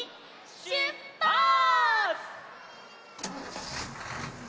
しゅっぱつ！